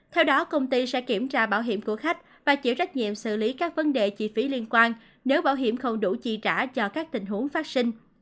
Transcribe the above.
theo đó công ty sẽ kiểm tra bảo hiểm của khách và chịu trách nhiệm xử lý các vấn đề chi phí liên quan nếu bảo hiểm không đủ chi trả cho các tình huống phát sinh